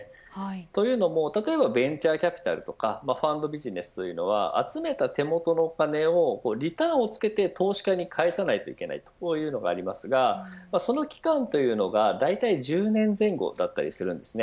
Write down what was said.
というのも、例えばベンチャーキャピタルとかファンドビジネスというのは集めた手元のお金をリターンをつけて投資家に返さないといけないというところがありますがその期間というのがだいたい１０年前後だったりするんです。